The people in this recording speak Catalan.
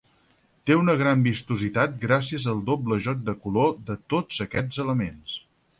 Té una gran vistositat gràcies al doble joc de color de tots aquests elements.